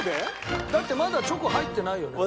だってまだチョコ入ってないよね？